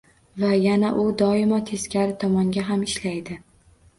Va yana u doimo teskari tomonga ham ishlaydi.